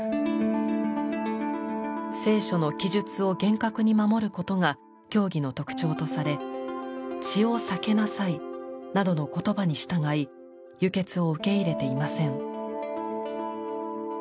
『聖書』の記述を厳格に守ることが教義の特徴とされ「血を避けなさい」などの言葉に従い輸血を受け入れていません。